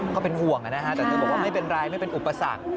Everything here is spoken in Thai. ก็เป็นห่วงนะฮะแต่เธอบอกว่าไม่เป็นไรไม่เป็นอุปสรรค